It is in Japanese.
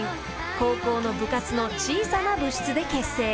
高校の部活の小さな部室で結成］